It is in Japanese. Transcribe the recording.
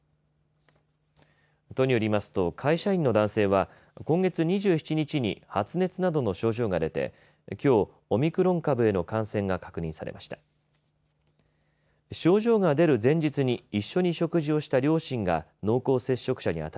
都によりますと会社員の男性は今月２７日に発熱などの症状が出てきょう、オミクロン株への感染が確認されました。